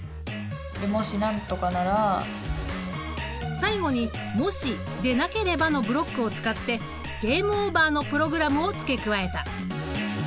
最後に「もし・でなければ」のブロックを使ってゲームオーバーのプログラムを付け加えた。